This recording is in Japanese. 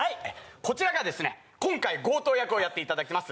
こちらがですね今回強盗役をやっていただきます